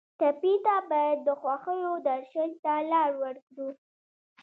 ټپي ته باید د خوښیو درشل ته لار ورکړو.